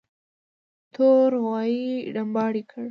تور غوايي رمباړه کړه.